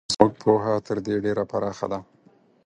زموږ پوهه تر دې ډېره پراخه ده.